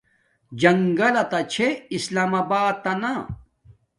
جنگل تا چھی سلام اباتنا